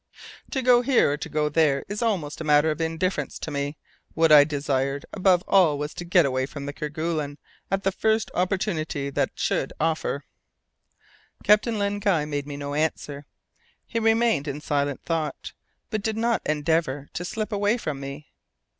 "To go here or to go there is almost a matter of indifference to me. What I desired above all was to get away from Kerguelen at the first opportunity that should offer." Captain Len Guy made me no answer; he remained in silent thought, but did not endeavour to slip away from me.